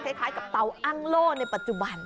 คล้ายกับเตาอ้างโล่ในปัจจุบัน